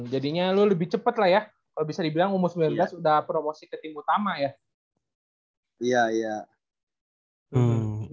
jadinya lu lebih cepat lah ya kalau bisa dibilang umur sembilan belas udah promosi ke tim utama ya